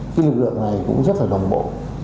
cái lực lượng này cũng rất là đồng bộ